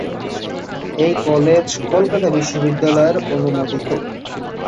এই কলেজ কলকাতা বিশ্ববিদ্যালয়ের অনুমোদিত।